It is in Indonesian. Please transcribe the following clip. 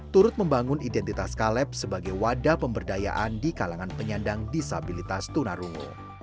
turut membangun identitas caleb sebagai wadah pemberdayaan di kalangan penyandang disabilitas tunarungu